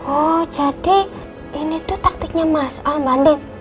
oh jadi ini tuh taktiknya mas al mbak andin